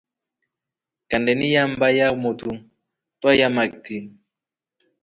Kandeni ya mbaa ya motru twayaa makith.